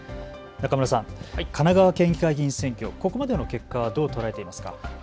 中村さん、神奈川県議会議員選挙、ここまでの結果は、どう捉えていますか。